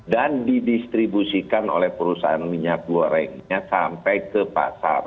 dan didistribusikan oleh perusahaan minyak gorengnya sampai ke panggilan